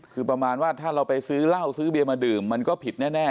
คือประมาณว่าถ้าเราไปซื้อเหล้าซื้อเบียร์มาดื่มมันก็ผิดแน่